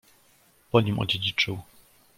"po nim odziedziczył."